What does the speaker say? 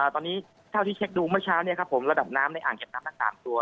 ตอนนี้เท่าที่เช็คดูเมื่อเช้าผมระดับน้ำในอ่างเก็บน้ำทั้ง๓ตัว